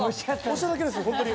押しただけです本当に。